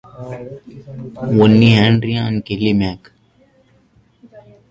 Only Andrea and Kelly Mac.